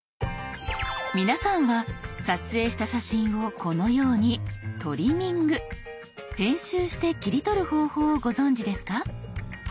皆さんは撮影した写真をこのように「トリミング」編集して切り取る方法をご存じですか？